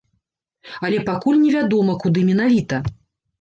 Але пакуль невядома, куды менавіта.